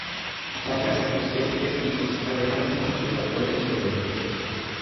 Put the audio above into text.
La casa posee tres pisos, además de un observatorio sobre el techo.